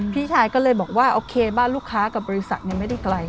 พี่ชายก็เลยบอกว่าโอเคบ้านลูกค้ากับบริษัทยังไม่ได้ไกล